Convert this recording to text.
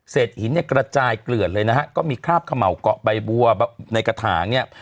หินเนี่ยกระจายเกลือดเลยนะฮะก็มีคราบเขม่าเกาะใบบัวในกระถางเนี่ย